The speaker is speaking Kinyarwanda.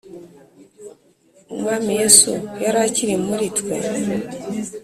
Umwami Yesu yari akiri muri twe